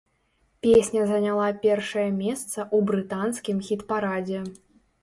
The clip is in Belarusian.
Песня заняла першае месца ў брытанскім хіт-парадзе.